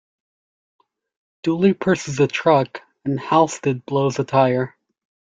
Dooley purses the truck, and Halstead blows a tire.